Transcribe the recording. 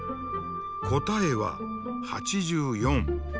答えは８４。